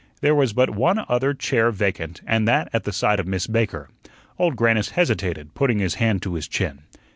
There was but one other chair vacant, and that at the side of Miss Baker. Old Grannis hesitated, putting his hand to his chin.